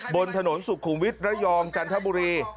บนถนนสุขุมวิทย์ระยองจันทบุรี